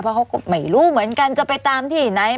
เพราะเขาก็ไม่รู้เหมือนกันจะไปตามที่ไหน